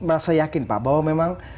merasa yakin pak bahwa memang